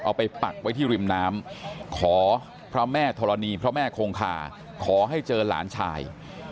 ไปปักไว้ที่ริมน้ำขอพระแม่ธรณีพระแม่คงคาขอให้เจอหลานชาย